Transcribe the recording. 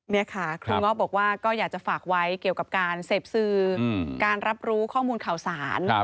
นี่ค่ะครูเงาะบอกว่าก็อยากจะฝากไว้เกี่ยวกับการเสพสื่อการรับรู้ข้อมูลข่าวสาร